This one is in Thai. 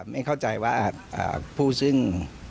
ไม่เข้าใจว่าผู้ซึ่ง